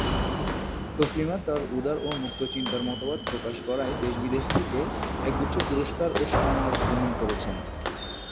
তসলিমা তার উদার ও মুক্তচিন্তার মতবাদ প্রকাশ করায় দেশ-বিদেশ থেকে একগুচ্ছ পুরস্কার ও সম্মাননা গ্রহণ করেছেন।